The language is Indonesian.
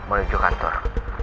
mau pergi kantor